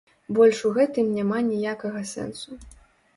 Больш у гэтым няма ніякага сэнсу.